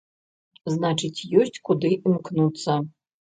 Значыць, ёсць куды імкнуцца.